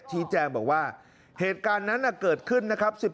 ชี้แจงบอกว่าเหตุการณ์นั้นเกิดขึ้นนะครับ